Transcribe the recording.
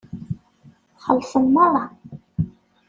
Xellṣen meṛṛa.